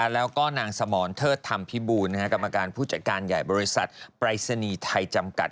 แล้วก็นางสมรเทิดธรรมพิบูลกรรมการผู้จัดการใหญ่บริษัทปรายศนีย์ไทยจำกัด